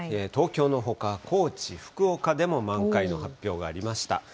東京のほか、高知、福岡でも満開の発表がありました。